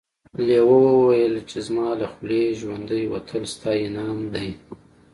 لیوه وویل چې زما له خولې ژوندی وتل ستا انعام دی.